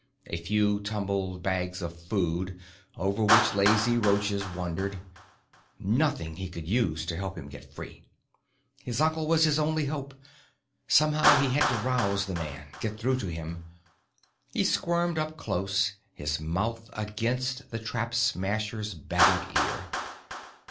A few tumbled bags of food, over which lazy roaches wandered. Nothing he could use to help him get free. His uncle was his only hope. Somehow he had to rouse the man, get through to him. He squirmed up close, his mouth against the Trap Smasher's battered ear.